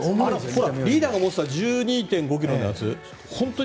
リーダーが持ってた１２．５ｋｇのやつ